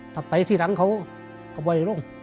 ถัดไปที่หลังเขาก็บริลักษณ์